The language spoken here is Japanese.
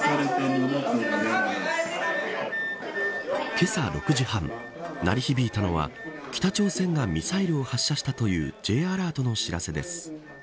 けさ６時半鳴り響いたのは、北朝鮮がミサイルを発射したというＪアラートの知らせです。